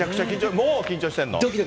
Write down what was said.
今、もう緊張してんの？